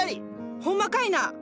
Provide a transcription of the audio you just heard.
ほんまかいな？